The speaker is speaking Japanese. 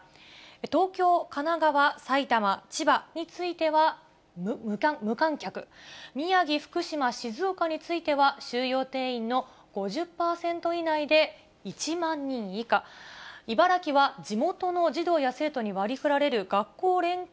東京、神奈川、埼玉、千葉については無観客、宮城、福島、静岡については収容定員の５０％以内で１万人以下、茨城は、地元の児童や生徒に割りふられる学校連携